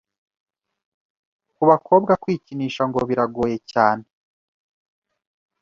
Ku bakobwa kwikinisha ngo biragoye cyane,